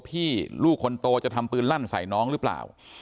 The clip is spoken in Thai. ตอนนั้นยังคิดว่าตัวพี่ลูกคนโตจะทำปืนลั่นใส่น้องหรือเปล่า